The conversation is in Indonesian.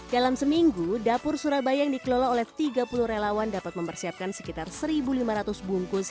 dalam seminggu dapur surabaya yang dikelola oleh tiga puluh relawan dapat mempersiapkan sekitar satu lima ratus bungkus